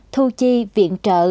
thu chi viện trợ